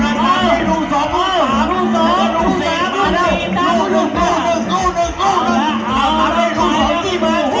พอได้ครับพอได้ครับพอได้ครับพอได้ครับพอได้ครับพอได้ครับพอได้ครับ